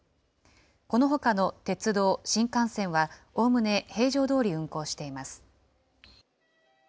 このほかの鉄道、新幹線はおおむね平常どおり運行しています。